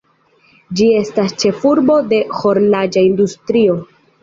Ĝi estas ĉefurbo de horloĝa industrio.